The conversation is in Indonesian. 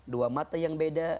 dua mata yang beda